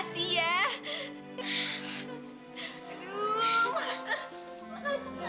selamat jalan ya kak